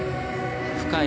深い